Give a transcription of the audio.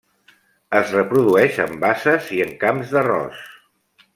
Es reprodueix en basses i en camps d'arròs.